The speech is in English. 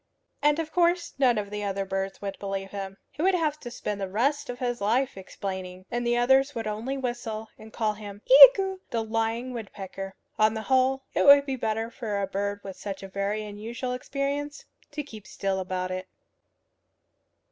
And of course none of the birds would believe him. He would have to spend the rest of his life explaining; and the others would only whistle, and call him Iagoo, the lying woodpecker. On the whole, it would be better for a bird with such a very unusual experience to keep still about it.